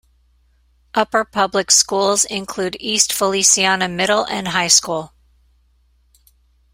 Upper public schools include East Feliciana Middle and Highschool.